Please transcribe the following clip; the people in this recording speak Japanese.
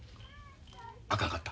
あかんかった？